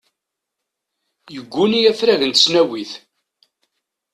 Yegguni afrag n tesnawit.